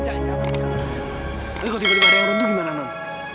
tapi kalau tiba tiba ada yang runtuh gimana non